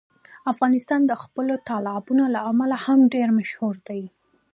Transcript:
افغانستان د خپلو تالابونو له امله هم ډېر مشهور دی.